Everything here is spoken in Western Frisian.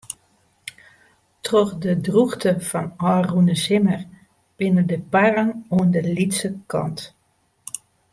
Troch de drûchte fan ôfrûne simmer binne de parren oan de lytse kant.